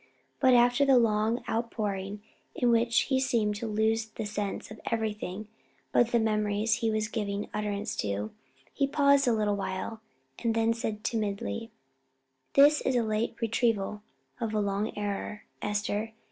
But after the long outpouring in which he seemed to lose the sense of everything but the memories he was giving utterance to, he paused a little while, and then said timidly "This is a late retrieval of a long error, Esther.